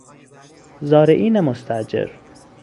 زارعین مستأجر